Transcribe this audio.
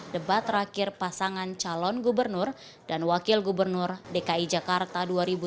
debat terakhir pasangan calon gubernur dan wakil gubernur dki jakarta dua ribu tujuh belas